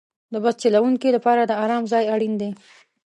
د بس چلوونکي لپاره د آرام ځای اړین دی.